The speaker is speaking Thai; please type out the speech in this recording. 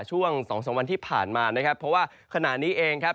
ช่วงสองสามวันที่ผ่านมานะครับเพราะว่าขณะนี้เองครับ